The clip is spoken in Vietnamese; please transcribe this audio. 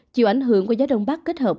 chịu ảnh hưởng của gió đông bắc kết hợp